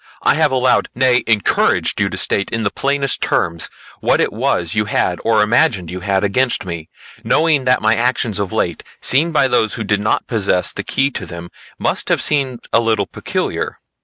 I have allowed, nay encouraged you to state in the plainest terms what it was you had or imagined you had against me, knowing that my actions of late, seen by those who did not possess the key to them, must have seemed a little peculiar.